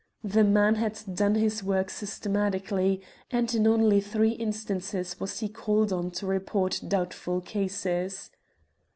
The man had done his work systematically, and in only three instances was he called on to report doubtful cases.